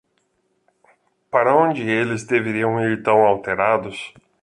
Para onde eles deveriam ir tão alterados?